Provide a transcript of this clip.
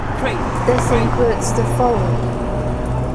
This includes the following.